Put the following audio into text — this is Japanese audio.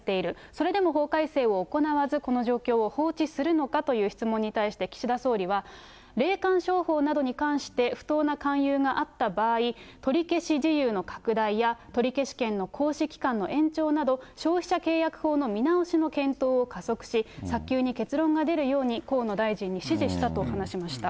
それでも法改正を行わず、この状況を放置するのかという質問に対して岸田総理は、霊感商法などに関して、不当な勧誘があった場合、取り消し事由の拡大や、取り消し権の行使期間の延長など、消費者契約法の見直しの検討を加速し、早急に結論が出るように河野大臣に指示したと話しました。